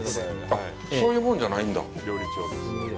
あっ、そういうもんじゃないんだ？